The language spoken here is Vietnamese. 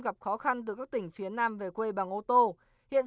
gặp khó khăn từ các tỉnh phía nam về quê bằng ô tô hiện